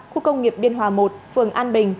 khu công nghiệp biên hòa một phường an bình